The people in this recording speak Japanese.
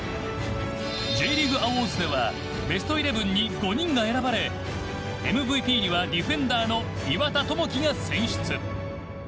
Ｊリーグアウォーズではベストイレブンに５人が選ばれＭＶＰにはディフェンダーの岩田智輝が選出。